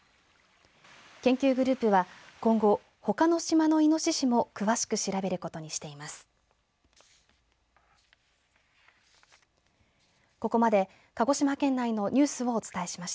研究グループは今後、ほかの島のイノシシも詳しく調べることにしています。